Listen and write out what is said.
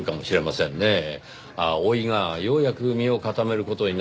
ああ甥がようやく身を固める事になって。